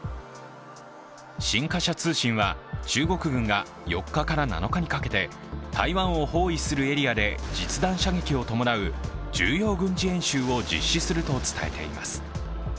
新華社通信は中国軍が４日から７日にかけて、台湾を包囲するエリアで実弾射撃を伴う重要軍事演習を実施すると伝えています。